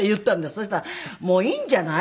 そしたら「もういいんじゃない」って。